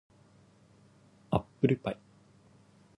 アップルパイ